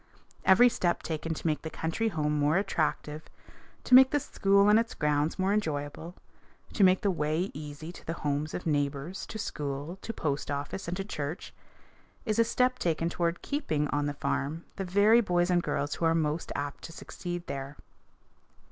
Every step taken to make the country home more attractive, to make the school and its grounds more enjoyable, to make the way easy to the homes of neighbors, to school, to post office, and to church, is a step taken toward keeping on the farm the very boys and girls who are most apt to succeed there.